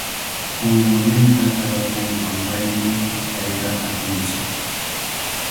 Qunqurninta takakunqanrayku hapayta atintsu.